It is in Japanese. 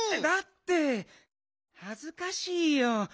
だってはずかしいよ。